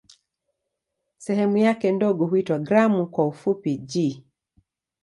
Sehemu yake ndogo huitwa "gramu" kwa kifupi "g".